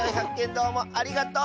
どうもありがとう！